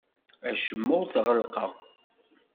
Acemma ur t-ɣellqeɣ.